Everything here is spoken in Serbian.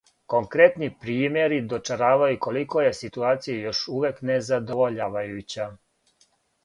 Конкретни примјери дочаравају колико је ситуација још увијек незадовољавајућа.